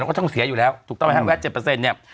เราก็ต้องเสียอยู่แล้วถูกต้องไหมฮะแวดเจ็ดเปอร์เซ็นต์เนี่ย